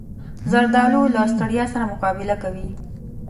زردالو له ستړیا سره مقابله کوي.